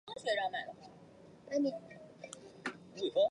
天保六年僧稠参与小南海石窟的重新开凿。